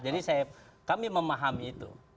jadi kami memahami itu